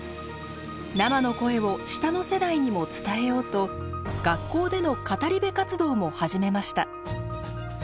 生の声を下の世代にも伝えようと学校での語り部活動も始めました。